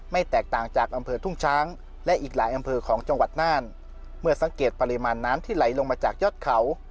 แตกต่างจากอำเภอทุ่งช้างและอีกหลายอำเภอของจังหวัดน่านเมื่อสังเกตปริมาณน้ำที่ไหลลงมาจากยอดเขา